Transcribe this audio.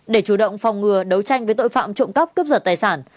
để chủ động phòng ngừa đấu tranh với tội phạm trộm cắp cướp giật tài sản